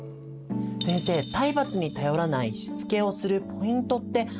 先生体罰に頼らないしつけをするポイントってありますか？